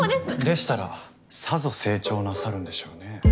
でしたらさぞ成長なさるんでしょうね。